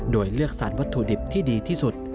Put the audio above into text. โดยเลือกสารวัตถุดิบที่ดีที่สุด